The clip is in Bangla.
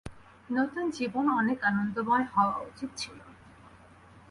নতুন জীবন অনেক আনন্দময় হওয়া উচিত ছিল।